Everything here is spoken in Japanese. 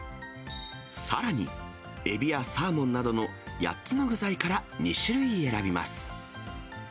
さらに、エビやサーモンなどの８つの具材から２種類選びます。